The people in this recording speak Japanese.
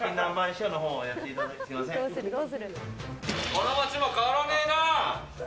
この街も変わらねえな。